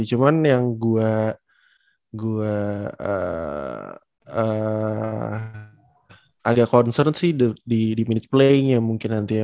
cuman yang gue agak concern sih di minute play nya mungkin nanti ya